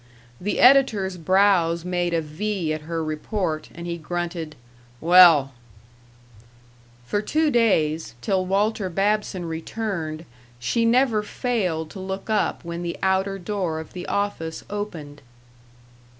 The editor's brows made a V at her report, and he grunted, "Well " For two days, till Walter Babson returned, she never failed to look up when the outer door of the office opened.